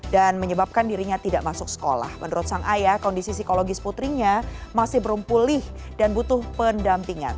dan menyebabkan dirinya tidak masuk sekolah menurut sang ayah kondisi psikologis putrinya masih berumpulih dan butuh pendampingan